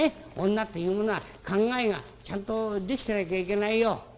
女というものは考えがちゃんとできてなきゃいけないよ。